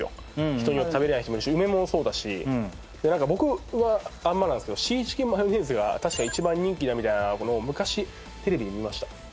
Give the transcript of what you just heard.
人によって食べれない人もいるし梅もそうだし何か僕はあんまなんですけどシーチキンマヨネーズが確か一番人気だみたいなのを昔テレビで見ました